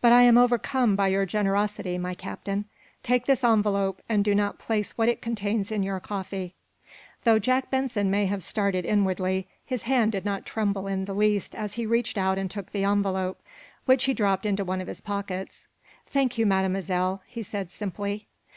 But I am overcome by your generosity, my Captain. Take this envelope and do not place what it contains in your coffee." Though Jack Benson may have started inwardly, his hand did not tremble in the least as he reached out and took the envelope, which he dropped into one of his pockets. "Thank you, Mademoiselle," he said, simply.